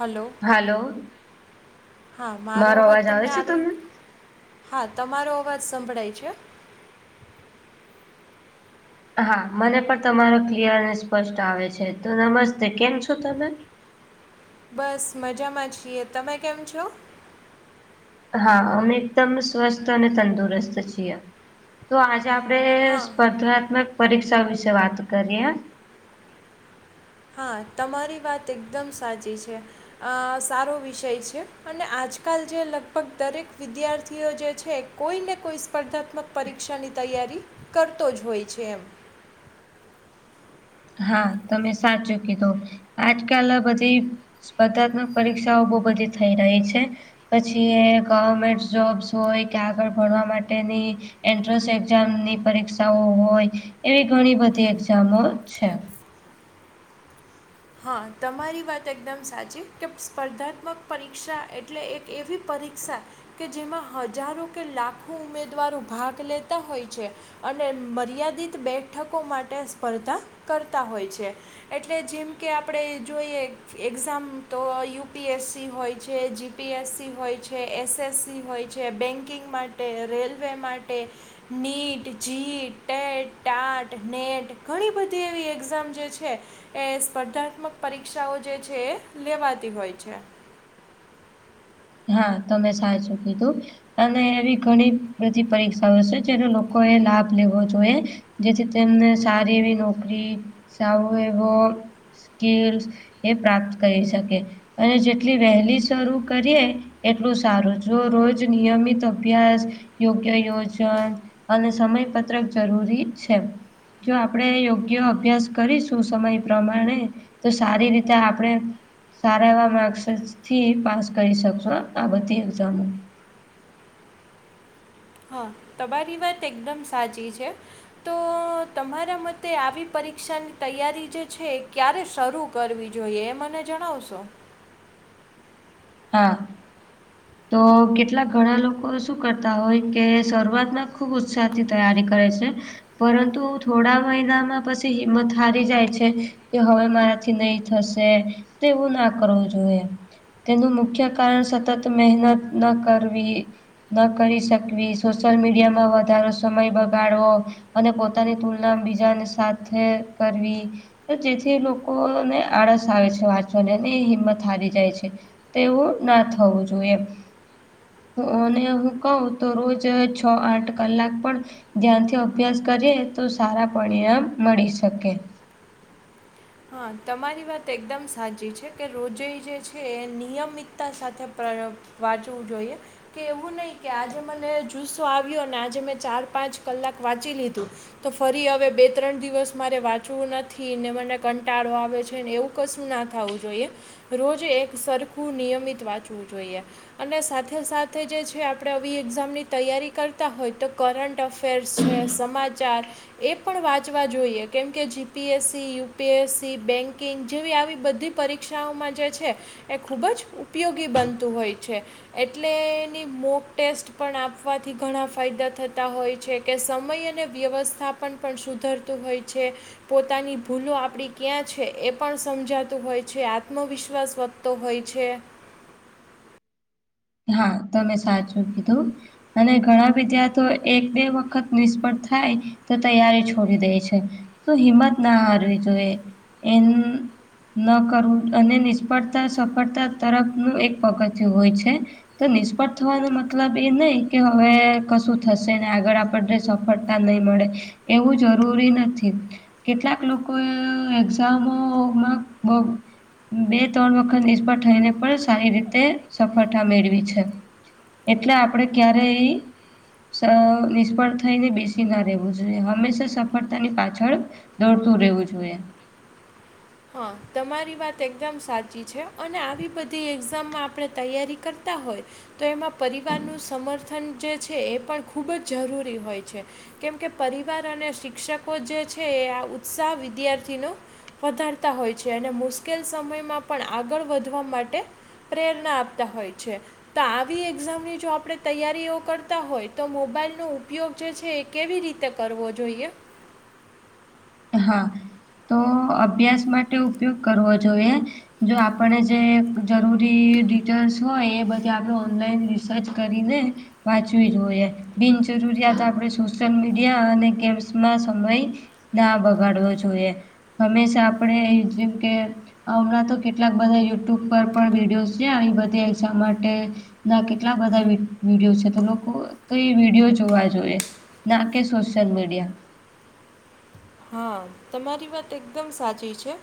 Hello hello હા મારો અવાજ તમને આવી હા તમારો અવાજ સંભળાય છે હા મને પણ તમારો ક્લિયર અને સ્પષ્ટ આવે છે તો નમસ્તે કેમ છો તમે બસ મજામાં છીએ તમે કેમ છો હા અમે એકદમ સ્વસ્થ અને તંદુરસ્ત છીએ તો આજે આપડે હા સ્પર્ધાત્મક પરીક્ષા વિશે વાત કરીએ હા તમારી વાત એકદમ સાચી છે સારો વિષય છે અને આજકાલ જે લગભગ દરેક વિદ્યાર્થીઓ જે છે કોઈને કોઈ સ્પર્ધાત્મક પરીક્ષાની તૈયારી કરતો જ હોય છે એમ હા તમે સાચું કીધું આજકાલ બધી સ્પર્ધાત્મક પરીક્ષાઓ બહુ બધી થઈ રહી છે પછી એ ગવર્મેન્ટ જોબ્સ હોય કે આગળ ભણવા માટેની એન્ટ્રન્સ એક્ઝામની પરીક્ષાઓ હોય એવી ઘણી બધી એક્ઝામો છે હા તમારી વાત એકદમ સાચી કે સ્પર્ધાત્મક પરીક્ષા એટલે એક એવી પરીક્ષા કે જેમાં હજારો કે લાખો ઉમેદવારો ભાગ લેતા હોય છે અને મર્યાદિત બેઠકો માટે સ્પર્ધા કરતા હોય છે એટલે જીમ કે આપણે જોઈએ એક્ઝામ તો યુપીએસસી હોય છે જી પીએસસી હોય છે એસએસસી હોય છે બેન્કિંગ માટે રેલવે માટે NEET JEE TET TAT NET ઘણી બધી એવી એક્ઝામ જે છે એ સ્પર્ધાત્મક પરીક્ષાઓ જે છે એ લેવાતી હોય છે. હા તમે સાચું કીધું અને એવી ઘણી બધી પરીક્ષાઓ છે જેનો લોકો એ લાભ લેવો જોઈએ. જેથી તેમને સારી એવી નોકરી સાવ એવો સ્કીલસ એ પ્રાપ્ત કરી શકે અને જેટલી વહેલી શરૂ કરીએ એટલું સારું જો રોજ નિયમિત અભ્યાસ યોગ્ય યોજન અને સમયપત્રક જરૂરી છે. જો આપણે યોગ્ય અભ્યાસ કરીશું સમય પ્રમાણે તો સારી રીતે આપણે સારા એવા માર્ક્સથી પાસ કરી શકો. જ આ બધી એકઝામો હા તમારી વાત એકદમ સાચી છે. તો તમારા મતે આવી પરીક્ષાની તૈયારી જે છે એ ક્યારે શરૂ કરવી જોઈએ એ મને જણાવશો? હા તો કેટલાક ઘણા લોકો શું કરતા હોય કે શરૂઆતમાં ખુબ સાથી તૈયારી કરે છે. પરંતુ થોડા મહિનામાં પછી હિંમત હારી જાય છે. કે હવે મારાથી નહીં થશે તો એવું ના કરવું જોઈએ. તેનું મુખ્ય કારણ સતત મહેનત ન કરવી. ન કરી શકવી સોશિયલ મીડિયામાં વધારો સમય બગાડવો અને પોતાની તુલના બીજાને સાથે કરવી. જેથી લોકોને આળસ આવે છે વાંચવાને એ હિંમત હારી જાય છે. તેવું ના થવું જોઈએ એમ અને હું કઉ તો રોજ છ આઠ કલાક પણ ધ્યાનથી અભ્યાસ કરીએ તો સારા પરિણામ મળી શકે. હા તમારી વાત એકદમ સાચી છે કે રોજઈ જે છે એ નિયમિતતા સાથે પ્રરમ વાંચવું જોઈએ. કે એવું નહીં કે આજે મને જુસ્સો આવ્યો ને આજે મેં ચાર પાંચ કલાક વાંચી લીધું. તો ફરી હવે બે ત્રણ દિવસ મારે વાંચવું નથી ને મને કંટાળો આવે છે ને એવું કશું ના થવું જોઈએ. રોજે એક સરખું નિયમિત વાંચવું જોઈએ. અને સાથે સાથે જે છે આપણે આવી એક્ઝામની તૈયારી કરતા હોય તો કરંટ અફ અફેર્સ છે સમાચાર એ પણ વાંચવા જોઈએ કેમ કે જીપીએસસી યુ પીએસસી બેન્કિંગ જેવી આવી બધી પરીક્ષાઓમાં જે છે એ ખૂબ જ ઉપયોગી બનતું હોય છે. એટલે એની મોક ટેસ્ટ પણ આપવાથી ઘણાં ફાયદા થતાં હોય છે. કે સમય અને વ્યવસ્થાપન પણ સુધરતું હોય છે પોતાની ભૂલો આપ આપણી ક્યાં છે એ પણ સમજાતું હોય છે આત્મવિશ્વાસ વધતો હોય છે. હા તમે સાચું કીધું અને ઘણાં વિદ્યાર્થીઓ એક બે વખત નિષ્ફળ થાય તો તૈયારી છોડી દે છે. તો હિંમત ના હારવી જોઈએ એમ ન કરવું અને નિષ્ફળતા સફળતા તરફનું એક પગથિયું હોય છે. તો નિષ્ફળ થવાનો મતલબ એ નઈ કે હવે કશું થશે ને આગળ આપણને સફળતા નહીં મળે એવું જરૂરી નથી. કેટલાક લોકોએ એક્ઝામોમાં બગ બે ત્રણ વખત નિષ્ફળ થઈને પણ સારી રીતે સફળતા મેળવી છે. એટલે આપણે ક્યારેય નિષ્ફળ થઈને બેસી ના રહેવું જોઈએ હંમેશા સફળતાની પાછળ દોડતું રહેવું જોઈએ હા તમારી વાત એકદમ સાચી છે અને આવી બધી એક્ઝામમાં આપણે તૈયારી કરતા હોય તો એમાં પરિવારનું સમર્થન જે છે એ પણ ખૂબ જ જરૂરી હોય છે કેમકે પરિવાર અને શિક્ષકો જે છે આ ઉત્સાહ વિદ્યાર્થીનો પાર હોય છે અને મુશ્કેલ સમયમાં પણ આગળ વધવા માટે પ્રેરણા આપતા હોય છે તો આવી એક્ઝામની જો આપણે તૈયારીઓ કરતા હોય તો મોબાઈલનો ઉપયોગ જે છે કેવી રીતે કરવો જોઈએ હા તો અભ્યાસ માટે ઉપયોગ કરવો જોઈએ જો આપને જે જરૂરી ડિટેલ્સ હોય એ બધે આપડ ઓનલાઈન રિસર્ચ કરીને વાંચવી જોઈએ બિનજરૂરીજ આપણે સોશિયલ મીડિયા અને ગેમ્સમાં સમય ના બગાડવો જોઈએ હંમેશા આપણે જેમકે હમણાં તો કેટલાક બધા યુટ્યુબ પર પણ વિડીયોઝ છે આવી બધી એ માટે ના કેટલા બધા વિડીયો છે તો લોકો તો એ વિડીિયો જોવા જોઈએ ના કે સોશલ મીડિયા હા તમારી વાત એકદમ સાચી છે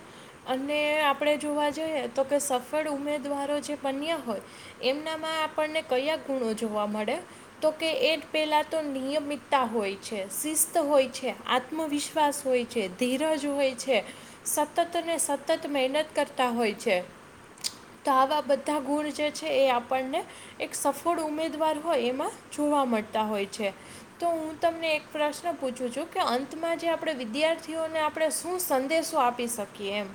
અને આપણે જોવા જઈએ તો કે સફળ ઉમેદવારો જે બન્યા હોય એમનામાં આપણને કયા ગુણો જોવા મળે તો કે એ પેલા તો નિયમિતતા હોય છે શિસ્ત હોય છે આત્મવિશ્વાસ વિશ્વાસ હોય છે ધીરજ હોય છે સતતને સતત મહેનત કરતા હોય છે તો આવા બધા ગુણ જે છે એ આપણને એક સફળ ઉમેદવાર હોય એમાં જોવા મળતા હોય છે તો હું તમને એક પ્રશ્ન પૂછું છું કે અંતમાં જે આપણે વિદ્યાર્થીઓને આપણે શું સંદેશો આપી શકીએ એમ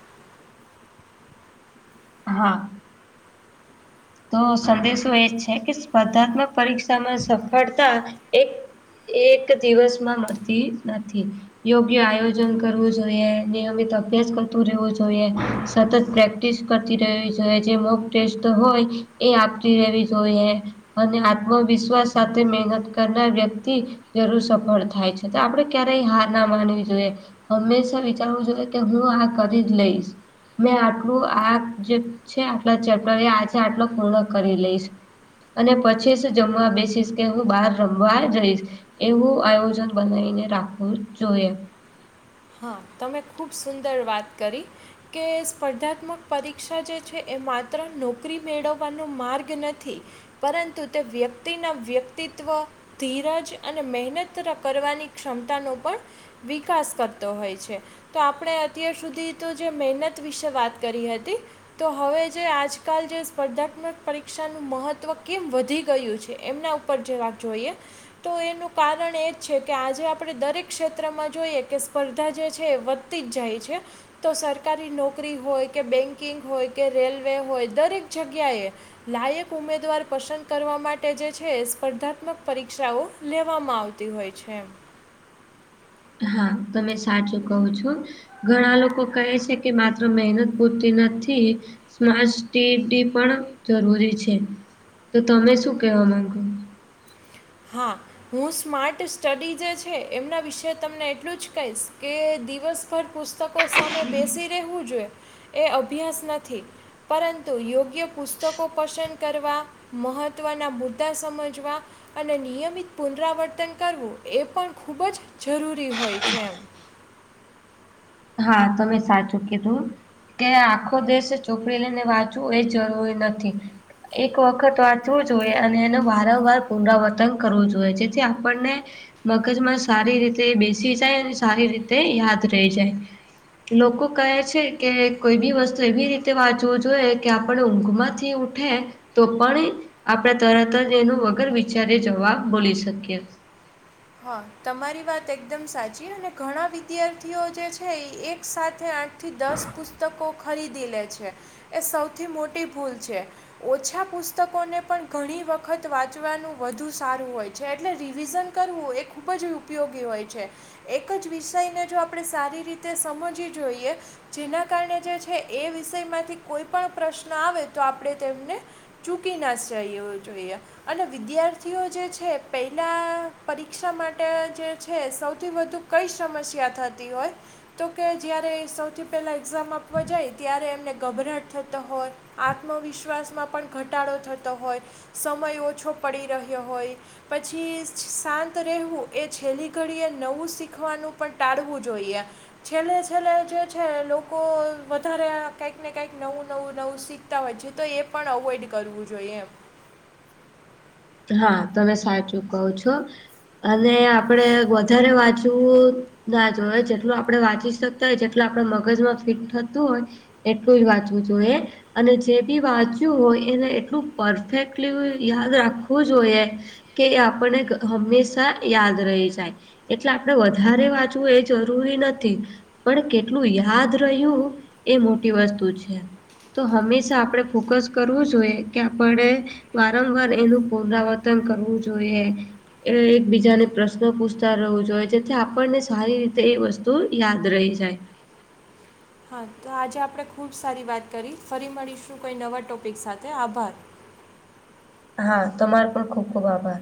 હા તો સંદેશો એ છે કે સ્પર્ધાત્મક પરીક્ષામાં સફળતા એક એક દિવસમાં મળતી નથી યોગ્ય આયોજન કરવું જોઈએ નિયમિત અભ્યાસ કરતું રહેવું જોઈએ સતત પ્રક ટેસ્ટ કરતી રવી છે જે મોગ ટેસ્ટ હોય એ આપતી રહેેવી જોઈએ અને આત્મવિશ્વાસ સાથે મહેનત કરનાર વ્યક્તિ જરૂર સફળ થાય છે તો આપડે ક્યારેય હાર ના માનવી જોઈએ હંમેશા વિચારવું જોઈએ કે હું આ કરી જ લઈશ મેં આટલું આ જે છે આટલા ચેપ્ટર આ છે આટલો પૂર્ણ કરી લઈશ અને પછીસ જમવા બેસીસ કે હું બહાર રમવા જઈશ એવું આયોજન બનાવીને રાખવું જોઈએ હા તમે ખૂબ સુંદર વાત કરી કે સ્પર્ધાત્મક પરીક્ષા જે છે એ માત્ર નોકરી મેળવવાનો માર્ગ નથી પરંતુ તે વ્યક્તિના વ્યક્તિત્વ ધીરજ અને મહેનત કરવાની ક્ષમતાનો પણ વિકાસ કરતો હોય છે તો આપણે અત્યાર સુધી તો જે મહેનત વિશે વાત કરી હતી તો હવે જે આજકાલ જે સ્પર્ધાત્મક પરીક્ષાનું મહત્ત્વ કેમ વધી ગયું છે એમના ઉપર પરચે રાખ જોઈએ તો એનું કારણ એ જ છે કે આજે આપણે દરેક ક્ષેત્રમાં જોઈએ કે સ્પર્ધા જે છે એ વધતી જ જાય છે તો સરકારી નોકરી હોય કે બેન્કિંગ હોય કે રેલવે હોય દરેક જગ્યાએ લાયક ઉમેદવાર પસંદ કરવા માટે જે છે સ્પર્ધાત્મક પરીક્ષાઓ લેવામાં આવતી હોય છે હા તમે સાચું કહો છો. ઘણા લોકો કહે છે કે માત્ર મહેનત પૂરતી નથી. સ્માર્ટ સડી પણ જરૂરી છે તો તમે શું કેવા માંગો. હા. હું સ્માર્ટ સ્ટડી જે છે એમના વિશે તમને એટલું જ કહીશ કે દિવસ ર પુસ્તકો સામે બેસી રહેવું જોઈએ એ અભ્યાસ નથી. પરંતુ યોગ્ય પુસ્તકો પસંદ કરવા. મહત્ત્વના મુદ્દા સમજવા. અને નિયમિત પુનરાવર્તન કરવું એ પણ ખૂબ જ જરૂરી હોય છે એમ. હા તમે સાચું કેધું. કે આખો દેશ છોકરી લઈને વાંચવું એ જરૂરી નથી. [inaudible] એક વખત વાંચવું જોઈએ અને એનું વારંવાર પુનરાવર્તન કરવું જોઈએ જેથી આપણને મગજમાં સારી રીતે બેસી જાય અને સારી રીતે યાદ રહી જાય. લોકો કહે છે કે કોઈ બી વસ્તુ એવી રીતે વાંચવું જોઈએ કે આપણે ઊંઘમાંથી ઉઊઠે તો પણ આપણે તરત જ એનો વગર વિચારી જવાબ બોલી શકીએ. હા તમારી વાત એકદમ સાચી અને ઘણા વિદ્યાર્થીઓ જે છે એ એક સાથે આઠ થી દસ પુસ્તકો ખરીદી લે છે એ સૌથી મોટી ભૂલ છે. ઓછા પુસ્તકોને પણ ઘણી વખત વાંચવાનું વધુ સારું હોય છે એટલે રિવિઝન કરવું એ ખુબ જ ઉપયોગી હોય છે. એક જ વિષયને જો આપણે સારી રીતે સમજીવી જોઈએ. જેના કારણે જે છે એ વિષય માંથી કોઈ પણ પ્રશ્ન આવે તો આપણે તેમને ચૂકી ના જાયું જોઈએ અને વિદ્યાર્થીઓ જે છે પહેલાં પરીક્ષા માટે જે છે સૌથી વધુ કઈ સમસ્યા થતી હોય. તો કે જ્યારે સૌથી પહેલાં એક્ઝામ આપવા જાય ત્યારે એમને ગભરાટ થતા હોત. આત્મવિશ્વાસમાં પણ ઘટાડો થતો હોય. સમય ઓછો પડી રહ્યો હોય પછી. શાંત રહેવું એ છેલ્લી ઘડીએ નવું શીખવાનું પણ ટાળવું જોઈએ. છેલ્લે છેલ્લે જે છે લોકો વધારે કઈક ને કંક નવું નવું નવું શીખ. તા હોય છે તો એ પણ અવોઇડ કરવું જોઈએ એમ. હા તમે સાચું કવો છો. અને આપડે વધારે વાંચવું. ના જોવે જેટલું આપડે વાંચી શકતા હોય જેટલું આપડે મગજમાં ફિટ થતું હોય. એટલું જ વાંચવું જોું એ. અને જે બી વાંચ્યું હોય એને એટલું પરફેક્ટલી યાદ રાખવું જોઈએ. કે આપણને હંમેશા યાદ રહી જાય. એટલે આપણેે વધારે વાંચવું એ જરૂરી નથી. પણ કેટલું યાદ રહ્યું એ મોટી વસ્તુ છે. તો હંમેશા આપણે ફોકસ કરવું જોઈએ કે આપણે વારંવાર એનું પુનરાવર્તન કરવું જોઈએ. એ એકબીજાને પ્રશ્ન પૂછતા રહેવું જોઈએ જેથી આપણને સારી રીતે એ વસ્તુ યાદ રહી જાય. હા તો આજે આપણે ખૂબ સારી વાત કરી ફરી મળીશું કોઈ નવા ટોપિક સાથે આભાર. હા તમારો પણ ખુબ ખુબ આભાર.